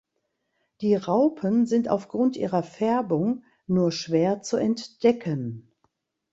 Die Raupen sind aufgrund ihrer Färbung nur schwer zu entdecken.